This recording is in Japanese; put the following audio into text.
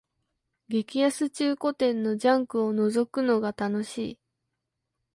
激安中古店のジャンクをのぞくのが楽しい